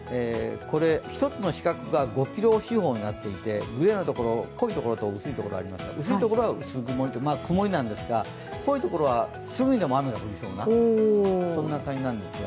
一つの四角が５キロ四方になっていまして濃いところと薄いところがあるんですが、薄いところは曇りなんですが、濃いところはすぐにでも雨が降りそうな感じです。